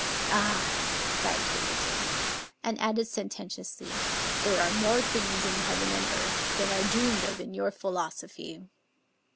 "Ah!" sighed Twistleton; and added sententiously, "'There are more things in heaven and earth than are dreamed of in your philosophy.'